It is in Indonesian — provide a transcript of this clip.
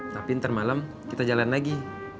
tapi ntar malam kita jalan lagi